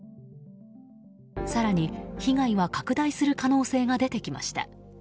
更に被害は拡大する可能性が出てきました。